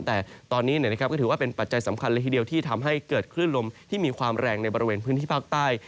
แต่ตอนนี้ก็ถือว่าเป็นปัจจัยสำคัญเลยทีเดียวที่ทำให้เกิดคลื่นลมที่มีความแรงในบริเวณพื้นที่ภาคใต้